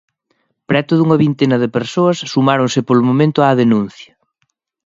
Preto dunha vintena de persoas sumáronse polo momento á denuncia.